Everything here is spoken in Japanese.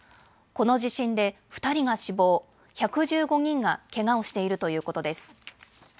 この地震で２人が死亡１１５人がけがをしているということです。